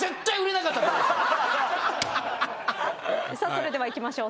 それではいきましょう。